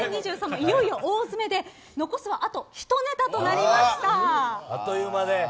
いよいよ大詰めで残すはあと１ネタとなりました。